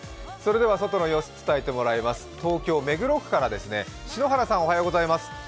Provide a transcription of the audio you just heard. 外の様子、伝えてもらいます東京・目黒区からです。